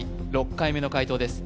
６回目の解答です